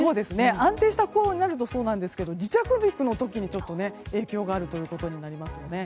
安定した雲になるとそうなんですが離着陸の時、ちょっと影響があるということになりますね。